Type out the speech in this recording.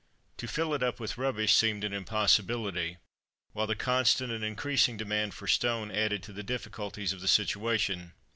To fill it up with rubbish seemed an impossibility; while the constant and increasing demand for stone added to the difficulties of the situation.